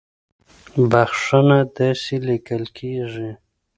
بخښنه داسې ليکل کېږي